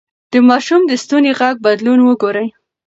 د ماشوم د ستوني غږ بدلون وګورئ.